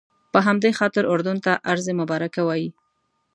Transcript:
په همدې خاطر اردن ته ارض مبارکه وایي.